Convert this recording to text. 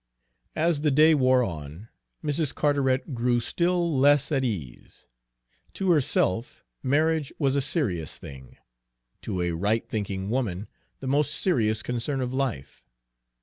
As the day wore on, Mrs. Carteret grew still less at ease. To herself, marriage was a serious thing, to a right thinking woman the most serious concern of life.